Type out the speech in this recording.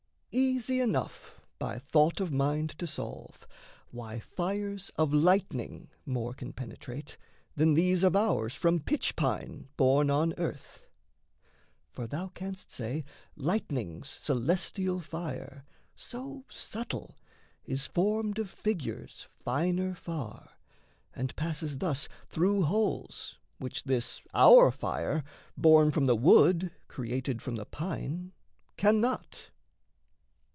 Easy enough by thought of mind to solve Why fires of lightning more can penetrate Than these of ours from pitch pine born on earth. For thou canst say lightning's celestial fire, So subtle, is formed of figures finer far, And passes thus through holes which this our fire, Born from the wood, created from the pine, Cannot.